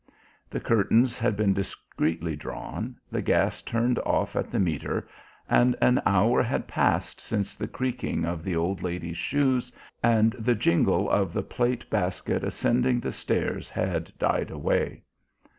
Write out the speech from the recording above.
The curtains had been discreetly drawn, the gas turned off at the metre and an hour had passed since the creaking of the old lady's shoes and the jingle of the plate basket ascending the stairs had died away.